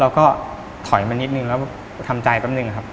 เราก็ถอยมานิดนึงแล้วทำใจแป๊บนึงครับ